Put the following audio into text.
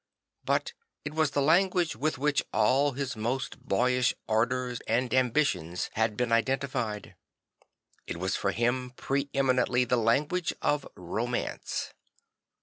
But it was the language with which all his most boyish ardours and ambitions had been iden tified; it was for him pre eminently the language of romance.